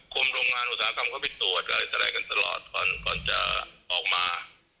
กลุ่มโรงงานอุตสาหกรรมเขาไปตรวจการอินตรายกันตลอดก่อนจะออกมา